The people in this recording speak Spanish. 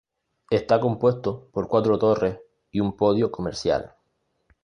Está compuesto por cuatro torres y un podio comercial.